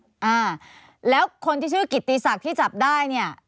อ่าแล้วคนที่ชื่อกิติศักดิ์ที่จับได้เนี่ย